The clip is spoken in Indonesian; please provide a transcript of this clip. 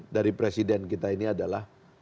dari presiden kita ini adalah